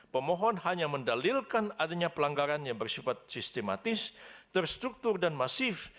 pemohon hanya mendalilkan adanya pelanggaran yang bersifat sistematis terstruktur dan masif